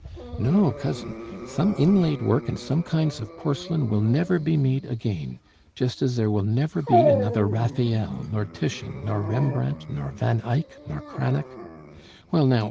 "No, cousin. Some inlaid work and some kinds of porcelain will never be made again, just as there will never be another Raphael, nor Titian, nor Rembrandt, nor Van Eyck, nor Cranach.... Well, now!